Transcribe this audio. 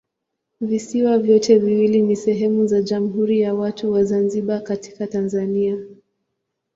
Visiwa vyote viwili ni sehemu za Jamhuri ya Watu wa Zanzibar katika Tanzania.